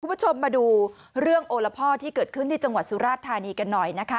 คุณผู้ชมมาดูเรื่องโอละพ่อที่เกิดขึ้นที่จังหวัดสุราชธานีกันหน่อยนะคะ